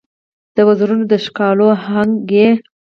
د وزرونو د ښکالو آهنګ یې